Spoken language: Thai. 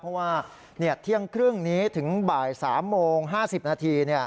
เพราะว่าเที่ยงครึ่งนี้ถึงบ่าย๓โมง๕๐นาที